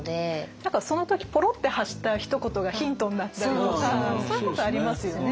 何かその時ぽろって発したひと言がヒントになったりとかそういうことありますよね。